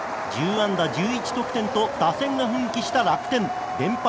１０安打１１得点と打線が奮起した楽天連敗